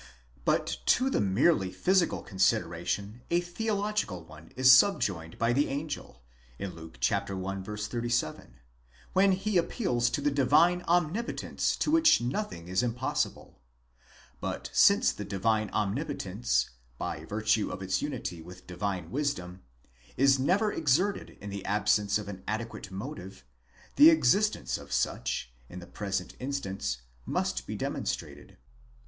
But to the merely physical consideration a theological one is subjoined by the angel (Luke i. 37), when he appeals to the divine omnipo tence to which nothing is impossible. But since the divine omnipotence, by virtue of its unity with divine wisdom, is never exerted in the absence of an adequate motive, the existence of such, in the present instance, must be demonstrated.